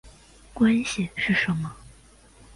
关系是什么？